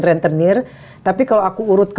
rentenir tapi kalau aku urut ke